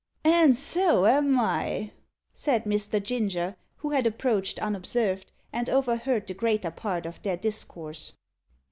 "And so am I," said Mr. Ginger, who had approached unobserved, and overheard the greater part of their discourse.